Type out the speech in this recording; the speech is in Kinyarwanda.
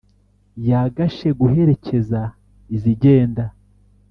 yagashe guherekeza izigenda,